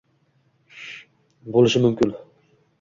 Bo'lishi mumkin